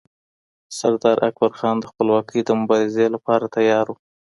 سردار اکبرخان د خپلواکۍ د مبارزې لپاره تیار و.